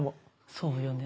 そうよね。